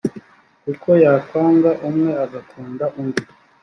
kuko yakwanga umwe agakunda undi